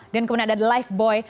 dan kemudian ada lifebuoy